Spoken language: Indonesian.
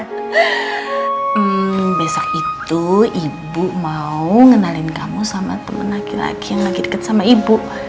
hmm besok itu ibu mau ngenalin kamu sama teman laki laki yang lagi dekat sama ibu